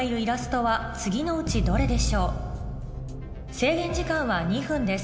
制限時間は２分です